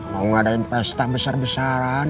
mau ngadain pesta besar besaran